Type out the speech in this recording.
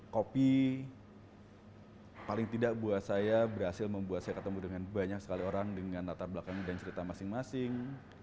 kopi paling tidak buat saya berhasil membuat saya ketemu dengan banyak sekali orang dengan latar belakang dan cerita masing masing